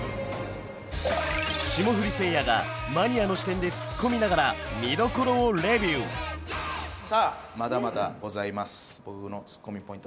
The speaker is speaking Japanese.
霜降りせいやがマニアの視点でツッコみながら見どころをレビューさあまだまだございます僕のツッコミポイント